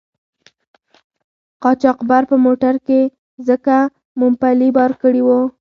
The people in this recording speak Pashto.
قاچاقبر په موټر کې ځکه مومپلي بار کړي وو.